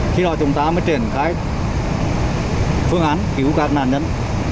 khi đó chúng ta mới triển khai phương án cứu các nạn nhân